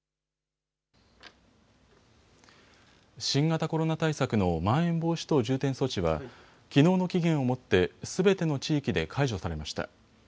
新型コロナ対策のまん延防止等重点措置はきのうの期限をもってすべての地域で解除されました。